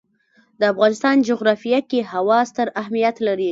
د افغانستان جغرافیه کې هوا ستر اهمیت لري.